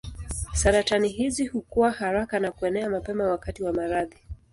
Saratani hizi hukua haraka na kuenea mapema wakati wa maradhi.